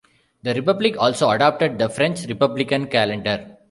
The republic also adopted the French Republican Calendar.